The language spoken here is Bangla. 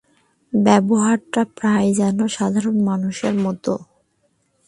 ব্যবহারটা প্রায় যেন সাধারণ মানুষের মতো।